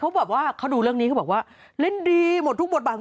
เพราะแบบว่าเขาดูเรื่องนี้เขาบอกว่าเล่นดีหมดทุกบทบาท